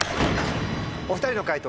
お２人の解答